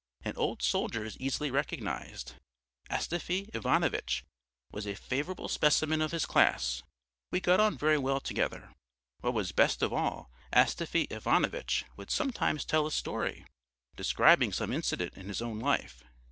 An old soldier is easily recognised. Astafy Ivanovitch was a favourable specimen of his class. We got on very well together. What was best of all, Astafy Ivanovitch would sometimes tell a story, describing some incident in his own life.